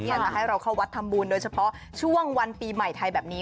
อยากจะให้เราเข้าวัดทำบุญโดยเฉพาะช่วงวันปีใหม่ไทยแบบนี้